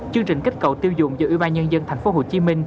chương trình kích cầu tiêu dùng do ủy ban nhân dân tp hcm